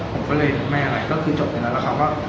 ผมก็เลยแม่อะไรก็คือจบทีนั้นแล้วค่ะว่า